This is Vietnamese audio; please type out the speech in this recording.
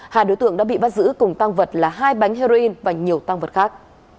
hai đối tượng đã bị bắt giữ cùng tăng vật là hai bánh heroin và nhiều tăng vật khác